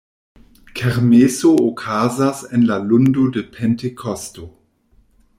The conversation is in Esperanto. Kermeso okazas en la lundo de Pentekosto.